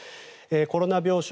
コロナ病床